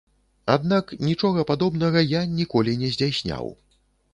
Аднак нічога падобнага я ніколі не здзяйсняў.